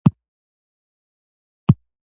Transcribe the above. ایا زه باید سړی شم؟